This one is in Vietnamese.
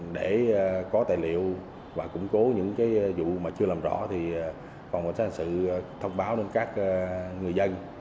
để có tài liệu và củng cố những vụ mà chưa làm rõ thì phòng cảnh sát hành sự thông báo đến các người dân